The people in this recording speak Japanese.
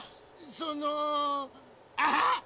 そのあっ！